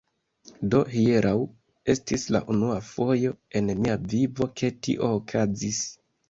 Do hieraŭ, estis la unua fojo en mia vivo, ke tio okazis.